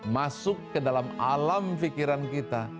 masuk ke dalam alam pikiran kita